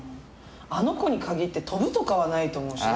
あの子にかぎって飛ぶとかはないと思うしね。